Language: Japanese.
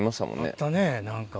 あったね何か。